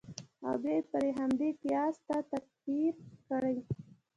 او بیا پر همدې قیاس تا تکفیر کړي.